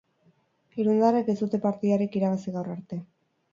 Irundarrek ez dute partidarik irabazi gaur arte.